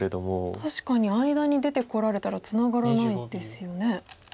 確かに間に出てこられたらツナがらないですよね。